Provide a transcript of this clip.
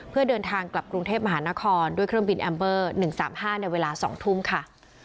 เพื่อเดินทางกลับกรุงเทพมหานครด้วยเครื่องบินแอมเบอร์๑๓๕ในเวลา๒ทุ่มค่ะ